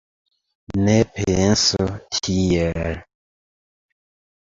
Ne pensu tiel